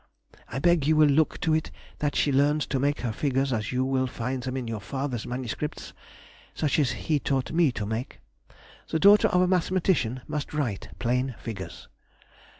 I beg you will look to it that she learns to make her figures as you will find them in your father's MSS., such as he taught me to make. The daughter of a mathematician must write plain figures.